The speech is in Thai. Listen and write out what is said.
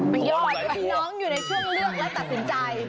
ยอดน้องอยู่ในช่วงเลือกและตัดสินใจ